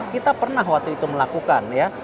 kita pernah waktu itu melakukan ya